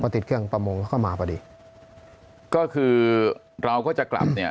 ติดเครื่องประมงแล้วก็มาพอดีก็คือเราก็จะกลับเนี่ย